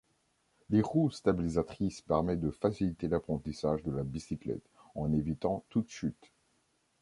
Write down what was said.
Les roues stabilisatrices permettent de faciliter l'apprentissage de la bicyclette, en évitant toute chute.